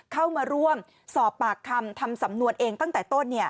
เข้ามาร่วมสอบปากคำทำสำนวนเองตั้งแต่ต้น